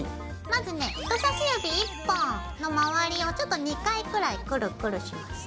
まずね人さし指１本の回りをちょっと２回くらいクルクルします。